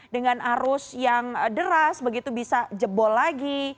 dengan arus yang deras begitu bisa jebol lagi